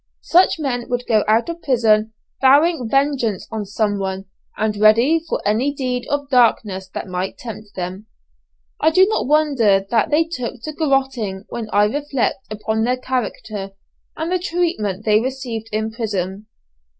Such men would go out of prison vowing vengeance on some one, and ready for any deed of darkness that might tempt them. I do not wonder that they took to garotting when I reflect upon their character and the treatment they received in prison.